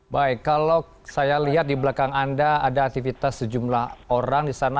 baik kalau saya lihat di belakang anda ada aktivitas sejumlah orang di sana